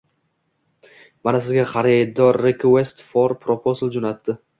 Mana, sizga xaridor Request for Proposal jo‘natdi.